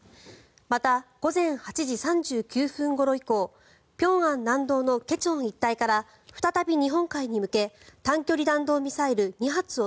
また、午前８時３９分ごろ以降平安南道の价川一帯から再び日本海に向け短距離弾道ミサイル２発を